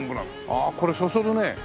ああこれそそるね。